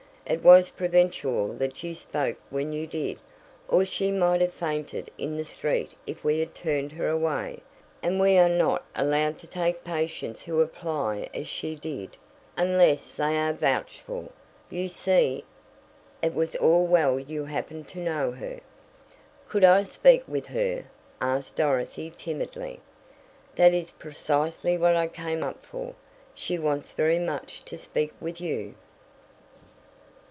It was providential that you spoke when you did, or she might have fainted in the street if we had turned her away, and we are not allowed to take patients who apply as she did, unless they are vouched for. You see, it was well you happened to know her." "Could I speak with her?" asked Dorothy timidly. "That is precisely what I came up for. She wants very much to speak with you."